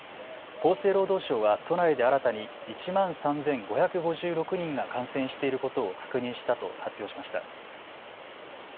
厚生労働省は都内で新たに１万３５５６人が感染していることを確認したと発表しました。